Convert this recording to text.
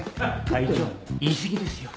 会長言いすぎですよ。